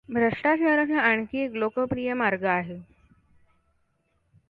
भ्रष्टाचाराचा आणखी एक लोकप्रिय मार्ग आहे.